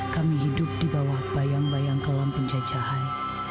kami hidup di bawah bayang bayang kelam penjejahan